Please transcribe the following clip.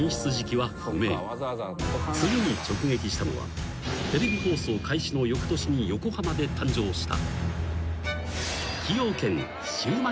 ［次に直撃したのはテレビ放送開始のよくとしに横浜で誕生した］